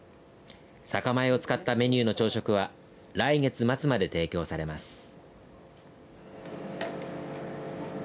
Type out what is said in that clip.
酒米を使ったメニューの朝食は来月末まで提供されます。